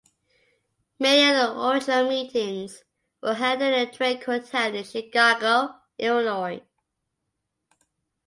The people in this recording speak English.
Many of the original meetings were held in the Drake Hotel in Chicago, Illinois.